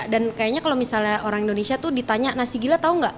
dan kayaknya kalau misalnya orang indonesia tuh ditanya nasi gila tau gak